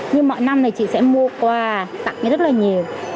nhưng mọi năm này chị sẽ mua quà tặng rất là nhiều